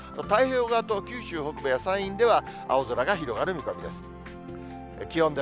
太平洋側と九州北部や山陰では、青空が広がる見込みです。